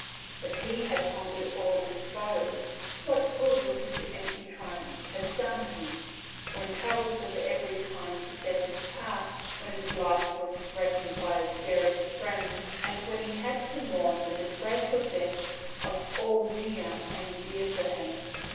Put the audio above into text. If he had conquered all his foes what good would his empty triumphs have done him, when troubles of every kind beset his path, when his life was threatened by his dearest friends, and when he had to mourn the disgrace or death of all near and dear to him?